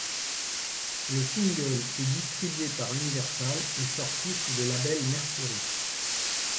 Le single est distribué par Universal et sorti sous le label Mercury.